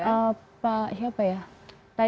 terus siapa ya